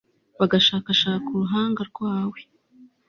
bagashakashaka uruhanga rwawe